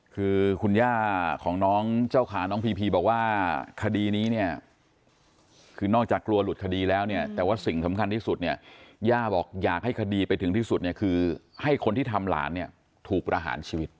คือคุณย่าของน้องเจ้าขาน้องพีพีบอกว่าคดีนี้เนี่ยคือนอกจากกลัวหลุดคดีแล้วเนี่ยแต่ว่าสิ่งสำคัญที่สุดเนี่ยย่าบอกอยากให้คดีไปถึงที่สุดเนี่ยคือให้คนที่ทำหลานเนี่ยถูกประหารชีวิต